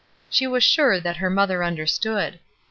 She was sure that her mother understood.